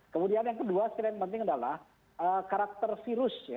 kemudian yang kedua yang paling penting adalah karakter virus ya